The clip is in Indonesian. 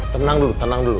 tenang dulu tenang dulu